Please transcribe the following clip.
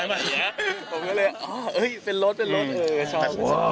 ผมก็เลยเป็นรถเป็นรถชอ